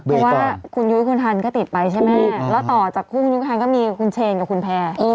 เพราะว่าคุณยุ้ยคุณฮันก็ติดไปใช่ไหมแล้วต่อจากกุ้งยุ้ยฮันก็มีคุณเชนกับคุณแพร่